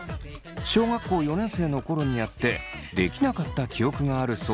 小学校４年生の頃にやってできなかった記憶があるそう。